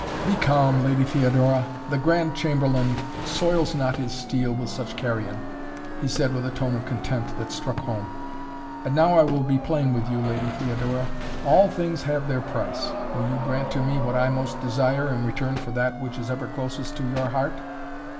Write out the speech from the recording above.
"Be calm, Lady Theodora! The Grand Chamberlain soils not his steel with such carrion," he said with a tone of contempt that struck home. "And now I will be plain with you, Lady Theodora. All things have their price. Will you grant to me what I most desire in return for that which is ever closest to your heart?"